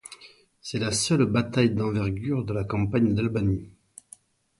C'est la seule bataille d'envergure de la campagne d'Albanie.